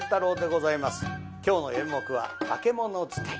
今日の演目は「化物使い」。